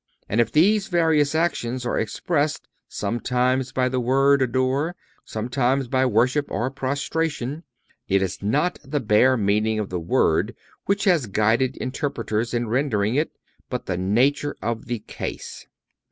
And if these various actions are expressed—sometimes by the word adore, sometimes by worship or prostration—it is not the bare meaning of the word which has guided interpreters in rendering it, but the nature of the case.